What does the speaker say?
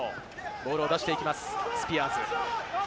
ボールを出していきます、スピアーズ。